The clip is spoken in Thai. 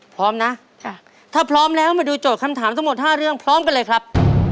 พร้อมนะถ้าพร้อมแล้วมาดูโจทย์คำถามทั้งหมด๕เรื่องพร้อมกันเลยครับ